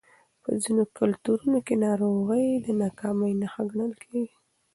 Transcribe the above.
په ځینو کلتورونو کې ناروغي د ناکامۍ نښه ګڼل کېږي.